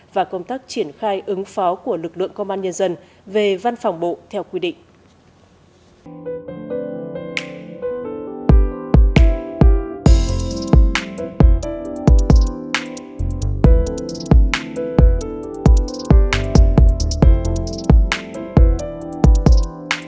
và công tác triển khai ứng phó của lực lượng công an nhân dân về văn phòng bộ theo quy định